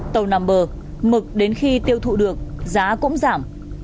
tàu nằm bờ mực đến khi tiêu thụ được giá cũng giảm